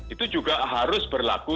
itu juga harus berlaku